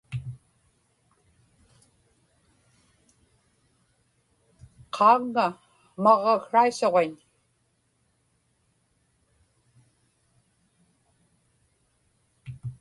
qaaŋŋa maġġaksraisuġiñ